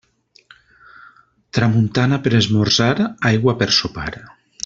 Tramuntana per esmorzar, aigua per sopar.